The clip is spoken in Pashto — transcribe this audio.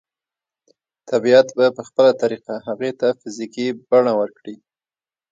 طبيعت به په خپله طريقه هغې ته فزيکي بڼه ورکړي.